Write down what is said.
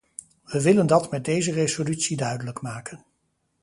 We willen dat met deze resolutie duidelijk maken.